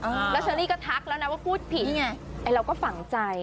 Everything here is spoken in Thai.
แล้วเชอรี่ก็ทักแล้วนะว่าพูดผิดนี่ไงเราก็ฝังใจ